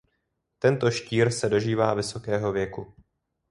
Tento štír se dožívá vysokého věku.